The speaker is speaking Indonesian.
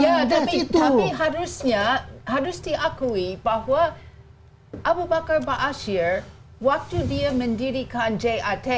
ya tapi harusnya harus diakui bahwa abu bakar ba'asyir waktu dia mendirikan jat